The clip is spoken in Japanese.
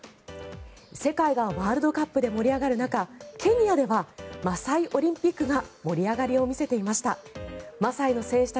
世界がワールドカップで盛り上がる中ケニアではマサイ・オリンピックが盛り上がりを見せていました。